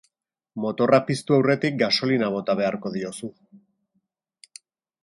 Motorra piztu aurretik gasolina bota beharko diozu.